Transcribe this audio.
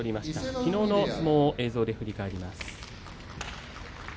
きのうの相撲を振り返ります。